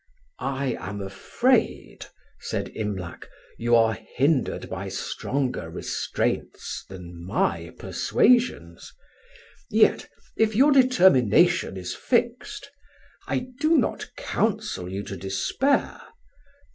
"I am afraid," said Imlac, "you are hindered by stronger restraints than my persuasions; yet, if your determination is fixed, I do not counsel you to despair.